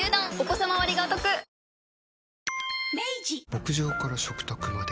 牧場から食卓まで。